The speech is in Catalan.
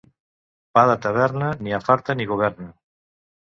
Pa de taverna ni afarta ni governa.